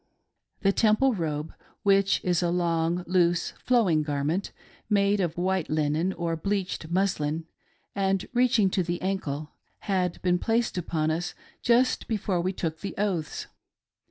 The Temple robe, which is a long, loose, flowing garment, made of white linen or bleached muslin, and reaching to the ancle, had been placed upon us just before we took the oaths.